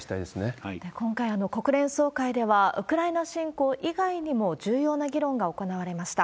今回、国連総会では、ウクライナ侵攻以外にも重要な議論が行われました。